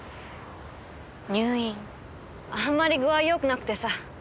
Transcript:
あんまり具合よくなくてさ。